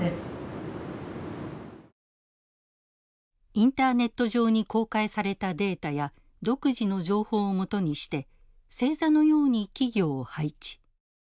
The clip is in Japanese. インターネット上に公開されたデータや独自の情報をもとにして星座のように企業を配置。